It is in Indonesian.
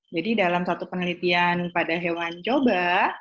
jadi dalam satu penelitian pada hewan coba